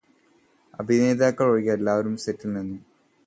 അഭിനേതാക്കള് ഒഴികെ എല്ലാവരും സെറ്റില് നിന്നും